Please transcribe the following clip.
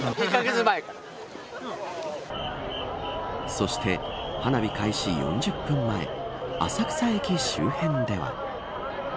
そして、花火開始４０分前浅草駅周辺では。